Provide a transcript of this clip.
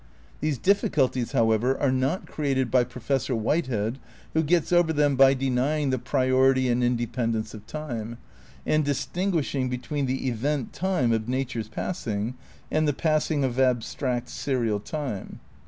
These difficulties, however, are not created by Professor Whitehead who gets over them by denying the priority and independence of time, and distinguishing between the event time of nature's passing and the passing of abstract serial time.